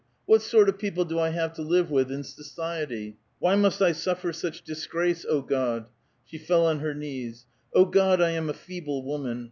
what sort of people do I have to live with in society f Why must I suffer such disgrace, O God !" She fell on her knees :*' O God, I am a feeble woman